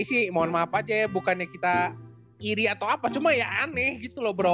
sih mohon maaf aja ya bukannya kita kiri atau apa cuma ya aneh gitu loh bro